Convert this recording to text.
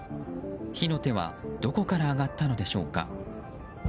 火の手はどこから上がったのでしょうか。